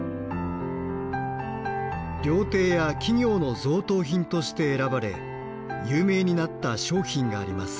料亭や企業の贈答品として選ばれ有名になった商品があります。